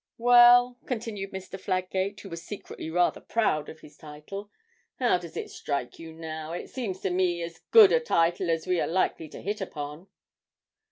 'Well,' continued Mr. Fladgate, who was secretly rather proud of his title, 'how does it strike you now? it seems to me as good a title as we are likely to hit upon.'